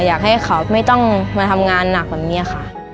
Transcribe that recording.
อยากให้เขาไม่ต้องมาทำงานหนักแบบนี้ค่ะ